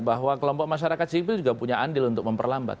bahwa kelompok masyarakat sipil juga punya andil untuk memperlambat